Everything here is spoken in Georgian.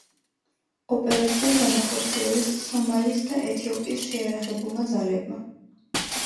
ოპერაცია განახორციელეს სომალის და ეთიოპიის შეიარაღებულმა ძალებმა.